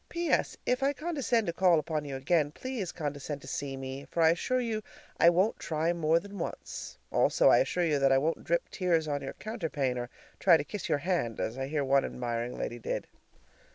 P.S. If I condescend to call upon you again, please condescend to see me, for I assure you I won't try more than once! Also, I assure you that I won't drip tears on your counterpane or try to kiss your hand, as I hear one admiring lady did.